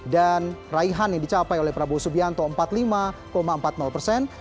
dan raihan yang dicapai oleh prabowo subianto empat puluh lima empat puluh persen